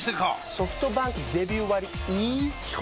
ソフトバンクデビュー割イズ基本